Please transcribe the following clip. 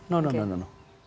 tidak tidak tidak